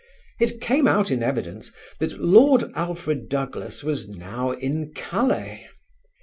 It came out in evidence that Lord Alfred Douglas was now in Calais.